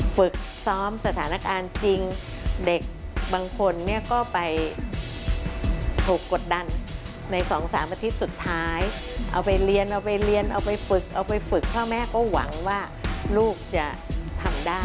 ฝึกซ้อมสถานการณ์จริงเด็กบางคนเนี่ยก็ไปถูกกดดันในสองสามอาทิตย์สุดท้ายเอาไปเรียนเอาไปเรียนเอาไปฝึกเอาไปฝึกพ่อแม่ก็หวังว่าลูกจะทำได้